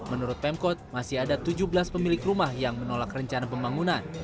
menurut pemkot masih ada tujuh belas pemilik rumah yang menolak rencana pembangunan